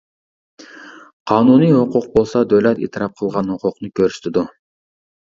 قانۇنىي ھوقۇق بولسا دۆلەت ئېتىراپ قىلغان ھوقۇقنى كۆرسىتىدۇ.